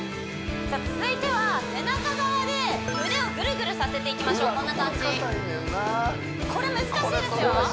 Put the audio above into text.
続いては背中側で腕をぐるぐるさせていきましょうこんな感じこれ難しいですよ